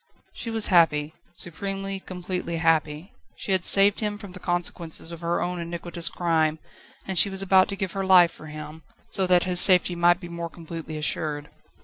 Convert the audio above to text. She was happy supremely, completely happy. She had saved him from the consequences of her own iniquitous crime, and she was about to give her life for him, so that his safety might be more completely assured.